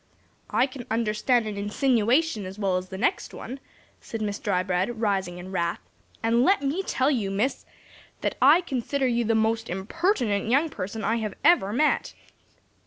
"I can understand an insinuation as well as the next one," said Miss Drybread, rising in wrath, "and let me tell you, Miss, that I consider you the most impertinent young person I ever met.